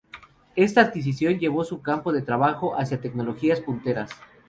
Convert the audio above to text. Esta adquisición llevó su campo de trabajo hacia tecnologías punteras.